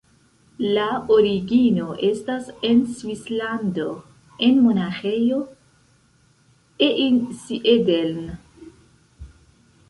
La origino estas en Svislando, en Monaĥejo Einsiedeln.